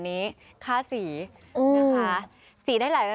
ไม่ขาวใช่มั้ยครับ